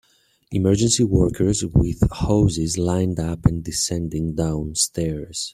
Emergency workers with hoses lined up and descending down stairs.